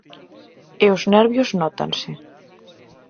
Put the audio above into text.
E os nervios nótanse.